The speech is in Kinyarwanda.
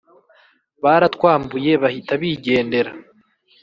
Baratwambuye bahita bigendera